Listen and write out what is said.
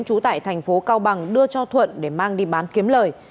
trú tại thành phố cao bằng đưa cho thuận để mang đi bán kiếm lời